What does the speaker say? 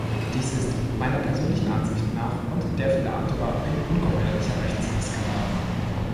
Dies ist, meiner persönlichen Ansicht nach und der vieler anderer, ein ungeheuerlicher Rechtsskandal.